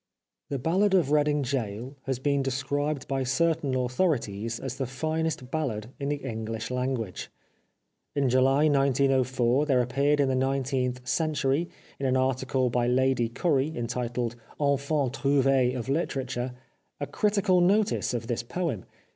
" The Ballad of Reading Gaol " has been described by certain authorities as the finest ballad in the Enghsh language. In July 1904 there appeared in The Nineteenth Century, in an article by Lady Currie, entitled " Enfants Trouves of Literature," a critical notice of this poem.